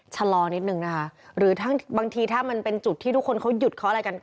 ชะลอนิดนึงนะคะหรือทั้งบางทีถ้ามันเป็นจุดที่ทุกคนเขาหยุดเขาอะไรกัน